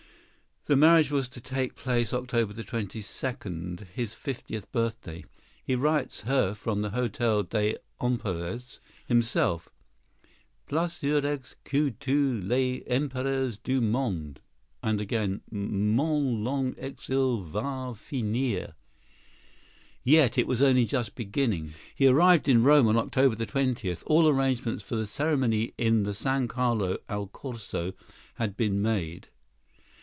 The marriage was to take place October 22, his fiftieth birthday. He writes her from the Hotel des Empereurs, himself "plus heureux que tous les empereurs du monde!" and again, "Mon long exil va finir." Yet it was only just beginning! He arrived in Rome on October 20. All arrangements for the ceremony in the San Carlo al Corso had been made.